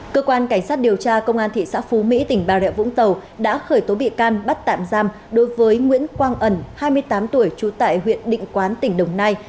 cơ quan cảnh sát điều tra công an thị xã phú mỹ tỉnh bà rịa vũng tàu đã khởi tố bị can bắt tạm giam đối với nguyễn quang ẩn hai mươi tám tuổi trú tại huyện định quán tỉnh đồng nai